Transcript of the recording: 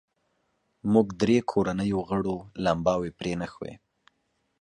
موږ درې کورنیو غړو لمباوې پرې نښوې.